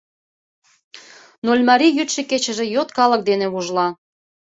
Нольмарий йӱдшӧ-кечыже йот калык дене вужла.